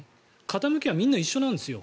傾きはみんな一緒なんですよ